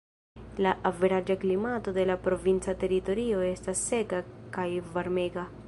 La averaĝa klimato de la provinca teritorio estas seka kaj varmega.